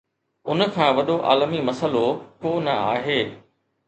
ان کان وڏو عالمي مسئلو ڪو نه آهي.